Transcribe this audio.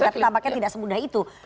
tapi tampaknya tidak semudah itu